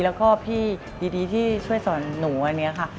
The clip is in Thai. แล้วก็พี่ดีที่ช่วยสอนหนูวันนี้ค่ะ